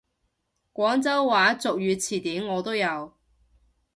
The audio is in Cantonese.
廣州話俗語詞典我都有！